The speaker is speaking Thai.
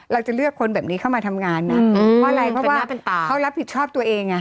เราจะเลือกคนแบบนี้เข้ามาทำงานนะเพราะอะไรเพราะว่าเขารับผิดชอบตัวเองไง